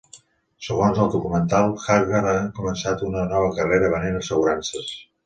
Segons el documental, Haggard ha començat una nova carrera venent assegurances.